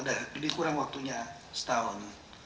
jadi kurang waktunya setahun